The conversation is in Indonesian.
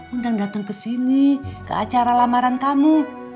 undang datang kesini ke acara lamaran kamu